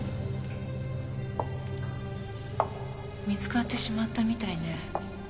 見つかってしまったみたいね。